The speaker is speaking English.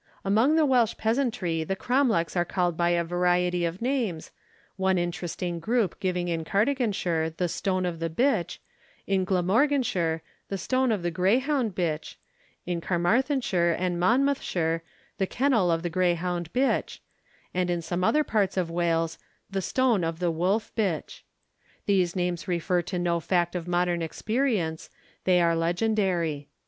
Among the Welsh peasantry the cromlechs are called by a variety of names, one interesting group giving in Cardiganshire 'the Stone of the Bitch,' in Glamorganshire 'the Stone of the Greyhound Bitch,' in Carmarthenshire and in Monmouthshire 'the Kennel of the Greyhound Bitch,' and in some other parts of Wales 'the Stone of the Wolf Bitch.' These names refer to no fact of modern experience; they are legendary.